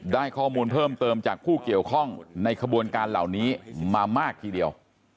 ได้ข้อมูลเพิ่มเติมจากผู้เกี่ยวข้องในขบวนการเหล่านี้มามากทีเดียว